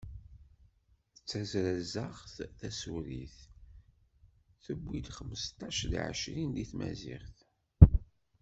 D tazrazaɣt tasurit, tewwi-d xmesṭac seg ɛecrin deg tmaziɣt.